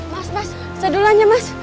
mas mas sedulanya mas